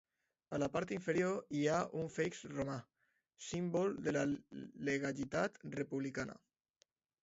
A la part inferior hi ha un feix romà, símbol de la legalitat republicana.